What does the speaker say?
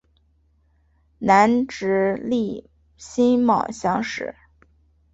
南直隶辛卯乡试。